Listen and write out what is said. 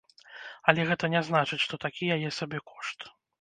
Але гэта не значыць, што такі яе сабекошт.